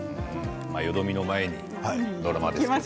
よどみの前にドラマですけど。